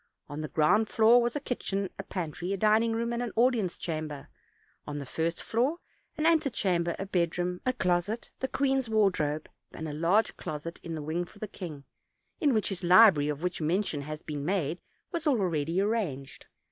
On the ground floor was a kitchen, a pantry, a dining room, and an audi ence chamber; on the first floor an antechamber, a bed room, a closet, the queen's wardrobe, and a large closet in a wing for the king, in which his library, of which mention has been made, was already arranged.